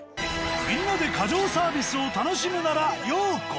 みんなで過剰サービスを楽しむなら「ようこ」。